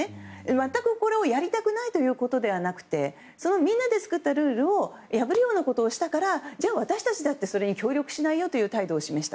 全く、これをやりたくないということではなくてみんなで作ったルールを破るようなことをしたから私たちだってそれに協力しないよという態度を示した。